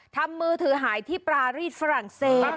ทำมือถือหายที่ปราฤทธิ์ฝรั่งเศส